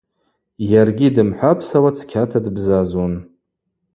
Йаргьи дымхӏвапсауа цкьата дбзазун.